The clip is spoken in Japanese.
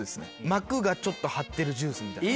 膜がちょっと張ってるジュースみたい。